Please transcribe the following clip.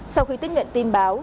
sau khi tích nhận tin báo